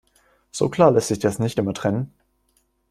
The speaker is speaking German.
So klar lässt sich das nicht immer trennen.